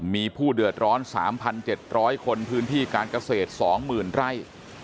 มีผู้เดือดร้อน๓๗๐๐คนพื้นที่การเกษตร๒๐๐๐ไร่